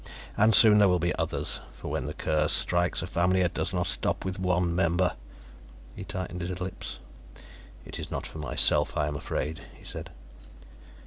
And soon there will be others, for when the curse strikes a family it does not stop with one member." He tightened his lips. "It is not for myself I am afraid," he said.